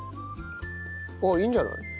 あっいいんじゃない？